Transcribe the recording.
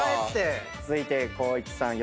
続いて光一さん